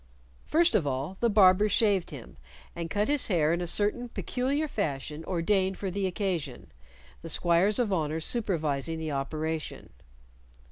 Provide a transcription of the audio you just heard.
First of all, the barber shaved him, and cut his hair in a certain peculiar fashion ordained for the occasion, the squires of honor supervising the operation.